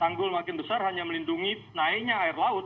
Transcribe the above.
tanggul makin besar hanya melindungi naiknya air laut